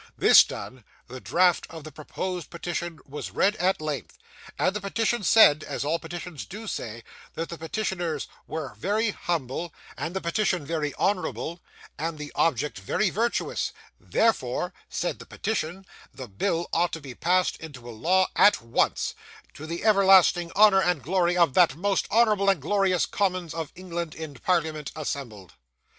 This done, the draft of the proposed petition was read at length: and the petition said, as all petitions DO say, that the petitioners were very humble, and the petitioned very honourable, and the object very virtuous; therefore (said the petition) the bill ought to be passed into a law at once, to the everlasting honour and glory of that most honourable and glorious Commons of England in Parliament assembled.